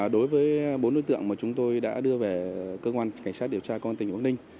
đối với bốn đối tượng mà chúng tôi đã đưa về cơ quan cảnh sát điều tra cơ quan tình ủng hộ ninh